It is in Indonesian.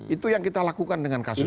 itu yang kita lakukan dengan kasus ini